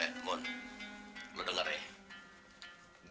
eh mun lu denger ya